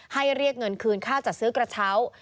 เรียกเงินคืนค่าจัดซื้อกระเช้า